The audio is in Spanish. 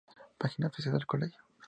Página oficial del Colegio